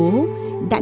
đã tìm hiểu được